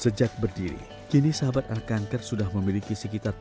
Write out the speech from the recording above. sejak berdiri kini sahabat anak kanker sudah memiliki sekitar tiga ratus relasi